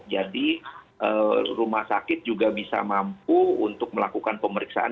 jadi rumah sakit juga bisa mampu untuk melakukan pemeriksaan